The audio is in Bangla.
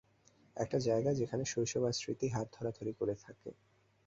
একটা জায়গা যেখানে শৈশব আর স্মৃতি হাত ধরাধরি করে থাকে।